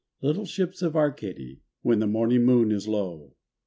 Little ships of Arcady When the morning moon is low.